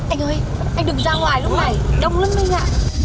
anh ơi anh đừng ra ngoài lúc này đông lắm anh ạ